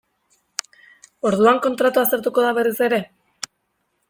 Orduan kontratua aztertuko da berriz ere?